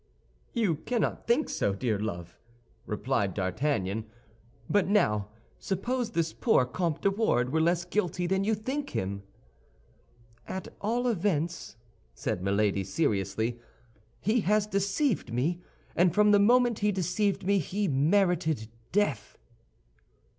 "You cannot think so, dear love!" replied D'Artagnan; "but now, suppose this poor Comte de Wardes were less guilty than you think him?" "At all events," said Milady, seriously, "he has deceived me, and from the moment he deceived me, he merited death."